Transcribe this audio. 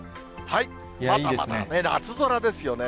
まだまだ夏空ですよね。